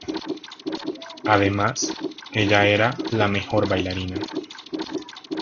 Además, ella era la "mejor bailarina".